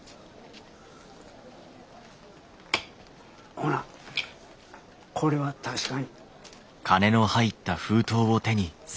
ほなこれは確かに。